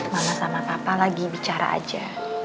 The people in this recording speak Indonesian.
mama sama papa lagi bicara aja